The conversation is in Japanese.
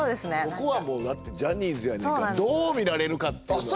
ここはもうだってジャニーズやねんからどう見られるかっていうのは。